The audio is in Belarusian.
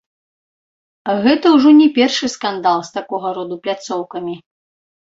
Гэта ўжо не першы скандал з такога роду пляцоўкамі.